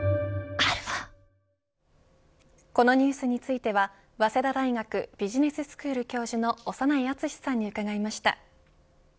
このニュースについては早稲田大学ビジネススクール教授の長内厚さんに伺いました。